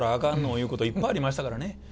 ゆうこといっぱいありましたからね。